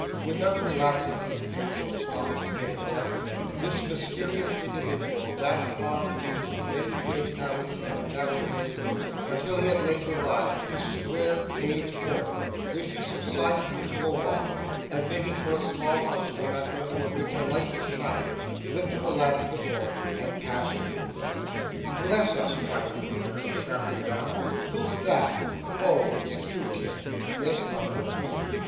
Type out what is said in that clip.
Without relaxing his pace, or stopping to take breath, this mysterious individual dashed on through a great many alleys and narrow ways until he at length arrived in a square paved court, when he subsided into a walk, and making for a small house from the window of which a light was shining, lifted the latch of the door and passed in. 'Bless us!' cried a woman turning sharply round, 'who's that? Oh! It's you, Kit!' 'Yes, mother, it's me.